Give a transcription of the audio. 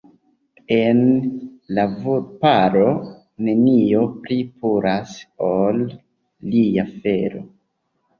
En la vulparo, nenio pli puras ol ria felo.